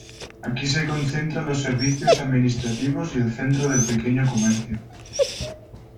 Aquí se concentra los servicios administrativos y el centro del pequeño comercio.